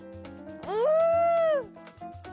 うん。